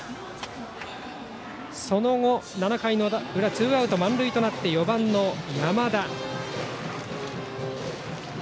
その後、７回の裏ツーアウト満塁となって４番、山田。